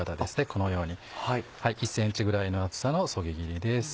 このように１ｃｍぐらいの厚さのそぎ切りです。